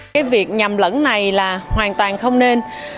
cái việc nhầm lẫn này là hoàn toàn không nên